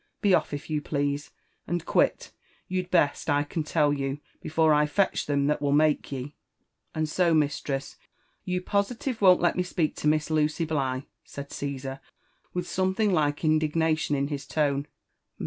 Be off, if you please, and quit— you'd best, I can tell you, before I fetch them that will make ye" " And so, mistress, you positive won't let me speak to Miss Lucy Blighf ' said Caesar, with something like indignation in his lone.